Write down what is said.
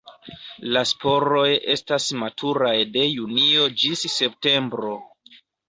La sporoj estas maturaj de junio ĝis septembro.